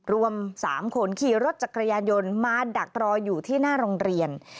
รวม๓คนขี่รถจักรยานยนต์มาดักรออยู่ที่หน้าโรงเรียน